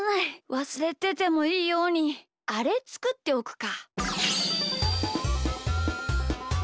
わすれててもいいようにあれつくっておくか。